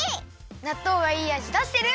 なっとうがいいあじだしてる！